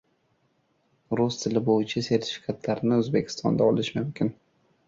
Rus tili bo‘yicha sertifikatlarni O‘zbekistonda olish mumkin